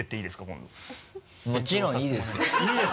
もちろんいいですよ。